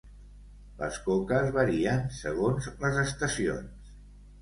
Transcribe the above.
Les coques varien segons les estacions